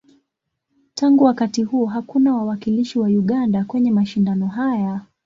Tangu wakati huo, hakuna wawakilishi wa Uganda kwenye mashindano haya.